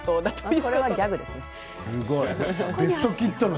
これはギャグですね。